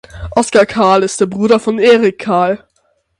Oscar Kahl ist der Bruder von Eric Kahl.